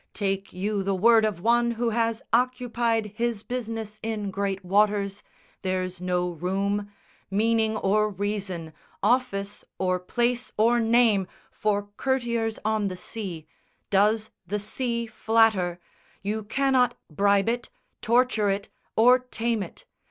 Take you the word of one who has occupied His business in great waters. There's no room, Meaning, or reason, office, or place, or name For courtiers on the sea. Does the sea flatter? You cannot bribe it, torture it, or tame it!